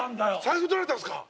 財布取られたんすか？